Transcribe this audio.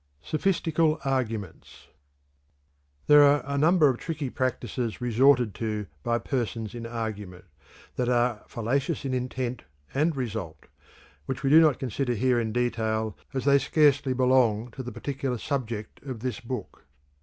SOPHISTICAL ARGUMENTS. There are a number of tricky practices resorted to by persons in argument, that are fallacious in intent and result, which we do not consider here in detail as they scarcely belong to the particular subject of this book.